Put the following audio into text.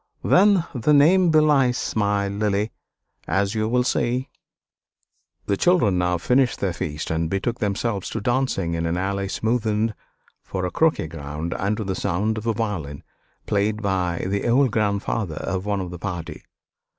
"Then the name belies my Lily; as you will see." The children now finished their feast and betook themselves to dancing, in an alley smoothed for a croquet ground and to the sound of a violin played by the old grandfather of one of the party.